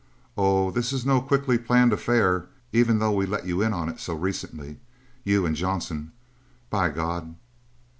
Oh, this is no quickly planned affair, even though we let you in on it so recently. You and Johnson.... By God!"